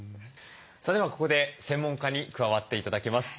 それではここで専門家に加わって頂きます。